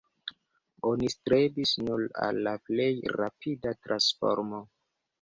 Oni strebis nur al la plej rapida transformo.